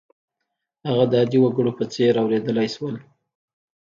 هغه د عادي وګړو په څېر اورېدلای شول.